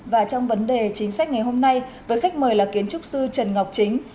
và trong vấn đề chính sách ngày hôm nay với khách mời là kiến trúc sư trần ngọc chính